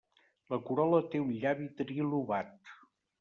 La corol·la té un llavi trilobat.